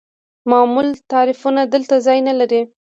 معمول تعریفونه دلته ځای نلري.